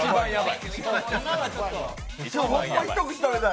ホント、一口食べたい。